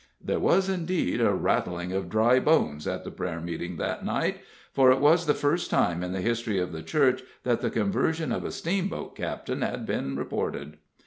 There was, indeed, a rattling of dry bones at the prayer meeting that night, for it was the first time in the history of the church that the conversion of a steamboat captain had been reported.